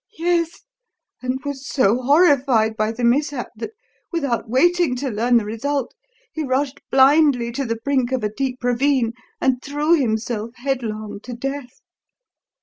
"Yes; and was so horrified by the mishap that, without waiting to learn the result, he rushed blindly to the brink of a deep ravine, and threw himself headlong to death.